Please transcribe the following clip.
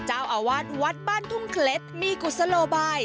เจ้าอาวาสวัดบ้านทุ่งเคล็ดมีกุศโลบาย